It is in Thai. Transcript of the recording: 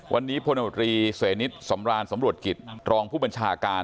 วันนี้พลนุษย์บริเศนิษฐ์สำราญสำรวจกิจรองผู้บัญชาการ